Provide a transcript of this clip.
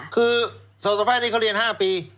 คือสัตวแพทย์นี่เขาเรียน๕ปี